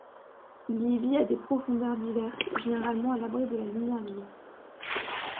Il y vit à des profondeurs diverses, généralement à l'abri de la lumière vive.